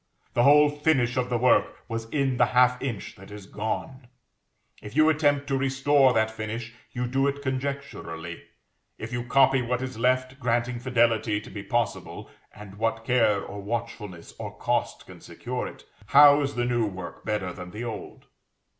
The whole finish of the work was in the half inch that is gone; if you attempt to restore that finish, you do it conjecturally; if you copy what is left, granting fidelity to be possible (and what care, or watchfulness, or cost can secure it?), how is the new work better than the old?